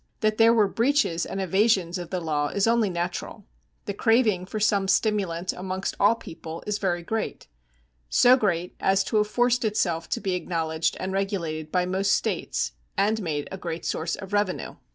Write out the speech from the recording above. That there were breaches and evasions of the law is only natural. The craving for some stimulant amongst all people is very great so great as to have forced itself to be acknowledged and regulated by most states, and made a great source of revenue.